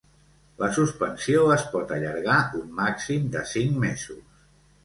La suspensió es pot allargar un màxim de cinc mesos.